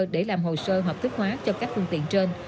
để làm hồ sơ hợp thức hóa cho các phương tiện trên